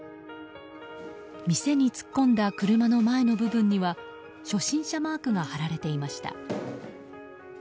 店に突っ込んだ車の前の部分には初心者マークが貼られていました。